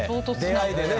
出会いでね。